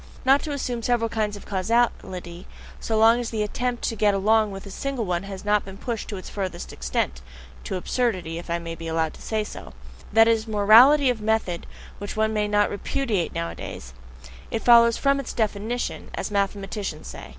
Not to assume several kinds of causality, so long as the attempt to get along with a single one has not been pushed to its furthest extent (to absurdity, if I may be allowed to say so): that is a morality of method which one may not repudiate nowadays it follows "from its definition," as mathematicians say.